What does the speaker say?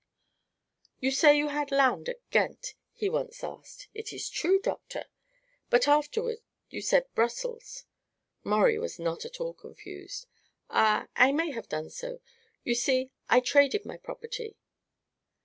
"You say you had land at Ghent?" he once asked. "It is true, Doctor." "But afterward you said Brussels." Maurie was not at all confused. "Ah; I may have done so. You see, I traded my property."